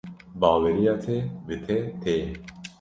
Baweriya te bi te tê.